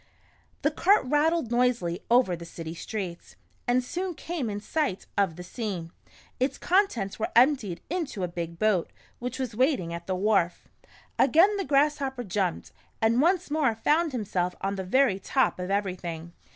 The cart rattled noisily over the city streets, and soon came in sight of the sea. Its contents were emptied into a big boat, which was waiting at the wharf Again the Grasshopper jumped, and once more found himself on the very top of ever}'thing.